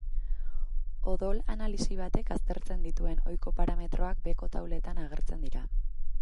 Odol-analisi batek aztertzen dituen ohiko parametroak beheko tauletan agertzen dira.